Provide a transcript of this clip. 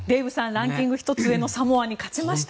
ランキング１つ上のサモアに勝ちました。